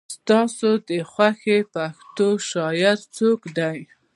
ستا د خوښې پښتو شاعر څوک دی؟